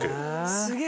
すげえ！